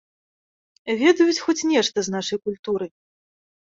Ведаюць хоць нешта з нашай культуры?